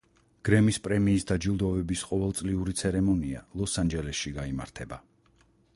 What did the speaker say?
გრემის პრემიის დაჯილდოვების ყოველწლიური ცერემონია ლოს-ანჯელესში გაიმართება.